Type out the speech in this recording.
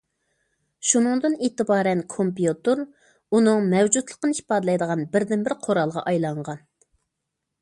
شۇنىڭدىن ئېتىبارەن كومپيۇتېر ئۇنىڭ مەۋجۇتلۇقىنى ئىپادىلەيدىغان بىردىنبىر قورالغا ئايلانغان.